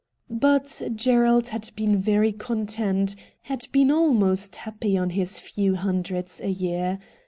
But Gerald had been very content, had been almost happy on his few hundreds a year.